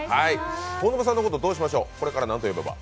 大沼さんのこと、どうしましょう、これからなんて呼べば？